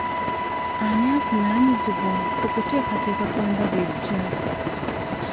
Ani avunaanyizibwa ku kuteekateeka kw'embaga ejja?